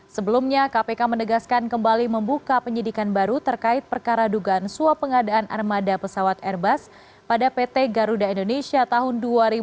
sebelumnya kpk menegaskan kembali membuka penyidikan baru terkait perkara dugaan suap pengadaan armada pesawat airbus pada pt garuda indonesia tahun dua ribu dua puluh